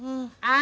あ。